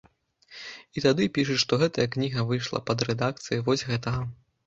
І тады пішуць, што гэтая кніга выйшла пад рэдакцыяй вось гэтага.